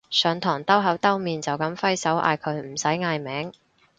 上堂兜口兜面就噉揮手嗌佢唔使嗌名